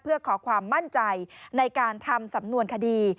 เพื่อขอความมั่นใจในการทำสำนวนคดี